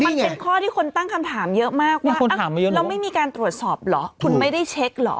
มันเป็นข้อที่คนตั้งคำถามเยอะมากว่าคุณแล้วไม่มีการตรวจสอบเหรอคุณไม่ได้เช็คเหรอ